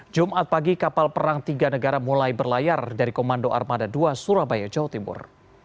jumat pagi kapal perang tiga negara mulai berlayar dari komando armada dua surabaya jawa timur